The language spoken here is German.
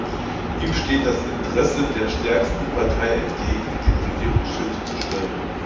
Ihm steht das Interesse der stärksten Partei entgegen, den Regierungschef zu stellen.